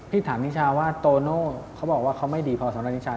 ถามนิชาว่าโตโน่เขาบอกว่าเขาไม่ดีพอสำหรับนิชา